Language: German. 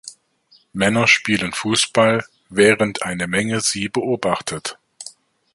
Männer spielen Fußball, während eine Menge sie beobachtet.